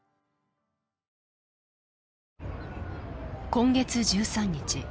今月１３日。